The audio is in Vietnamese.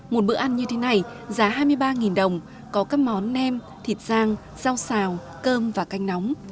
một bữa ăn như thế này giá hai mươi ba đồng có các món nem thịt giang rau xào cơm và canh nóng